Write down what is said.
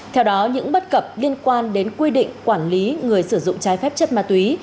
theo đó những bất cập liên quan đến quy định quản lý người sử dụng trái phép chất ma túy